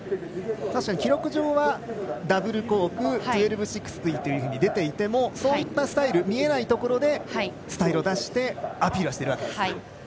確かに、記録上はダブルコーク１２６０と出ていても、そういった見えないところでスタイルを出してアピールをしているわけですね。